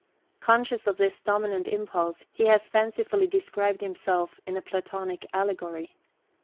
Conscious of this dominant impulse, he has fancifully described himself in a Platonic allegory.